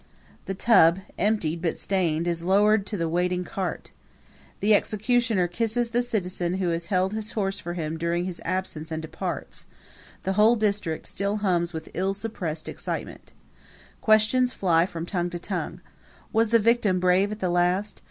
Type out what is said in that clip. The tub, emptied but stained, is lowered to the waiting cart. The executioner kisses the citizen who has held his horse for him during his absence and departs; the whole district still hums with ill suppressed excitement. Questions fly from tongue to tongue. Was the victim brave at the last?